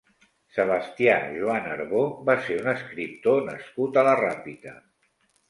Sebastià Juan Arbó va ser un escriptor nascut a la Ràpita.